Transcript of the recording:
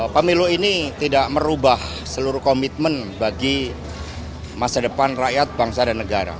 pemilu ini tidak merubah seluruh komitmen bagi masa depan rakyat bangsa dan negara